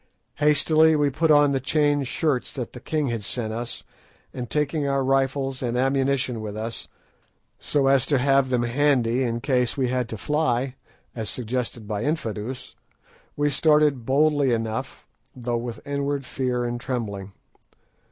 Hastily we put on the chain shirts that the king had sent us, and taking our rifles and ammunition with us, so as to have them handy in case we had to fly, as suggested by Infadoos, we started boldly enough, though with inward fear and trembling.